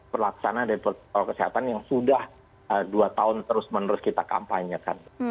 perlaksanaan dari protokol kesehatan yang sudah dua tahun terus menerus kita kampanyekan